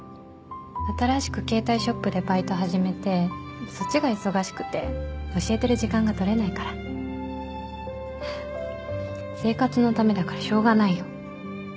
新しく携帯ショップでバイト始めてそっちが忙しくて教えてる時間が取れないから生活のためだからしょうがないよ